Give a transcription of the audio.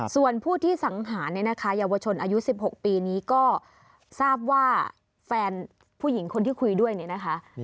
ส่วนผู้ที่สังหารเนี่ยนะคะเยาวชนอายุ๑๖ปีนี้ก็ทราบว่าแฟนผู้หญิงคนที่คุยด้วยเนี่ยนะคะ